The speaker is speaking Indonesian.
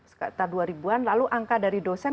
sekitar dua ribu an lalu angka dari dosen